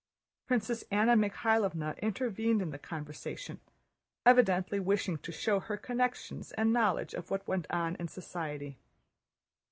Princess Anna Mikháylovna intervened in the conversation, evidently wishing to show her connections and knowledge of what went on in society.